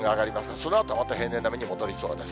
そのあとは、また平年並みに戻りそうです。